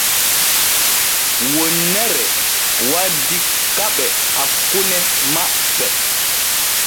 Wonnere waddi keɓe hakkune maɓɓe.